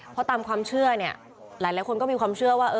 เพราะตามความเชื่อเนี่ยหลายคนก็มีความเชื่อว่า